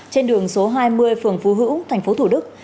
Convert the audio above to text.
trên đường số hai mươi phường phú hữu thành phố thủ đức